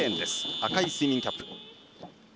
赤いスイミングキャップ。